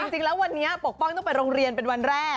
จริงแล้ววันนี้ปกป้องตั้งแต่โรงเรียนเป็นวันแรก